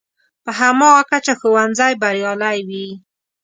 په هماغه کچه ښوونځی بریالی وي.